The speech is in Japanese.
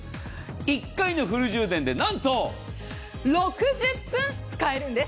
１回のフル充電で、なんと６０分使えるんです！